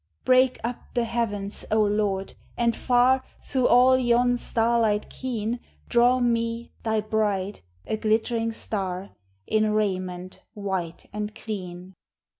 Break up the heavens, O Lord! and far, Through all yon starlight keen, Draw me, thy bride, a glittering star, In raiment white and clean.